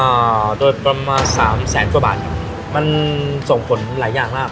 อ่าโดยประมาณสามแสนกว่าบาทครับมันส่งผลหลายอย่างมาก